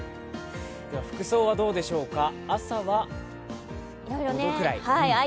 服装はどうでしょうか朝は５度くらい。